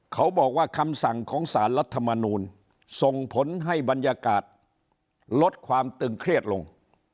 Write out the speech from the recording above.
เขาบอกว่าคำสั่งของสารรัฐมนูลส่งผลให้บรรยากาศลดความตึงเครียดลง